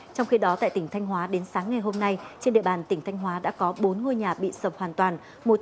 trong khi đó tại tỉnh thanh hóa đến sáng ngày hôm nay trên địa bàn tỉnh thanh hóa đã có bốn ngôi nhà bị sập hoàn toàn